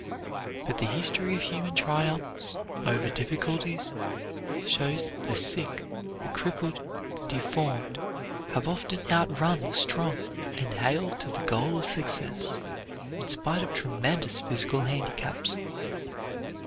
But the history of human triumphs over difficulties shows that the sick, the crippled, the deformed, have often outrun the strong and hale to the goal of success, in spite of tremendous physical handicaps.